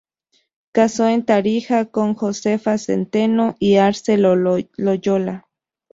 Casó en Tarija con Josefa Centeno y Arze Loyola.